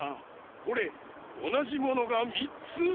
ほれおなじものが３つあるぞ。